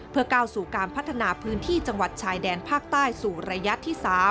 เพื่อก้าวสู่การพัฒนาพื้นที่จังหวัดชายแดนภาคใต้สู่ระยะที่๓